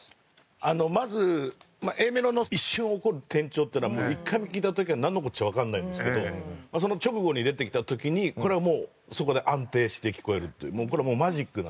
あのまずＡメロの一瞬起こる転調っていうのは１回目聴いた時はなんのこっちゃわかんないんですけどその直後に出てきた時にこれはもうそこで安定して聴こえるっていう。